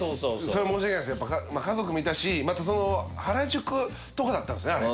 それは申し訳ないですやっぱまぁ家族もいたしまたその原宿とかだったんですねあれ。